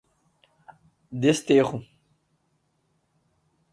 Desterro